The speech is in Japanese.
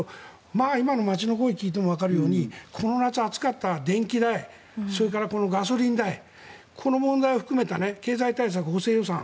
まあ、今の街の声を聞いてもわかるようにこの夏暑かった、電気代それからガソリン代この問題を含めた経済対策、補正予算